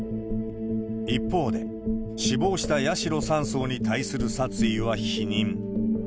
一方で、死亡した八代３曹に対する殺意は否認。